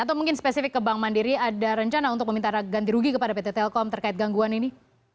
atau mungkin spesifik ke bank mandiri ada rencana untuk meminta ganti rugi kepada pt telkom terkait gangguan ini